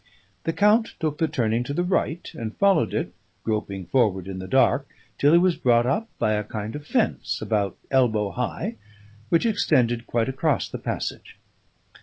The count took the turning to the right, and followed it, groping forward in the dark, till he was brought up by a kind of fence, about elbow high, which extended quite across the passage.